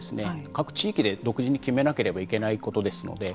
各地域で独自に決めなければいけないことですので。